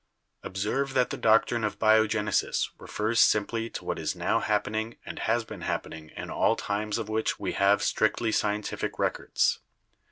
Observe that the doctrine of biogenesis refers simply to what is now happening and has been happening in all times of which we have strictly scientific records.